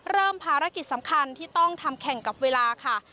เริ่มภารกิจสำคัญที่ต้องทำแข่งกับเวลาค่ะ